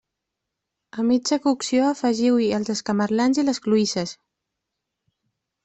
A mitja cocció afegiu-hi els escamarlans i les cloïsses.